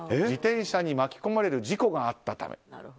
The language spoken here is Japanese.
自転車に巻き込まれる事故があったため。